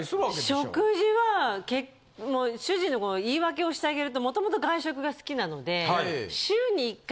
食事は主人の言い訳をしてあげると元々外食が好きなので。